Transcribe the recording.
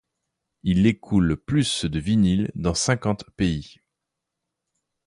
Il écoule plus de vinyles dans cinquante pays.